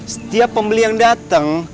setiap pembeli yang dateng